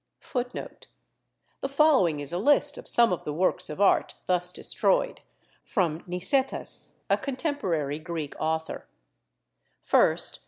The following is a list of some of the works of art thus destroyed, from Nicetas, a contemporary Greek author: 1st.